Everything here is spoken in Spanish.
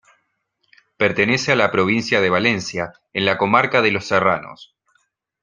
Pertenece a la provincia de Valencia, en la comarca de Los Serranos.